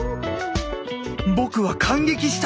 僕は感激した。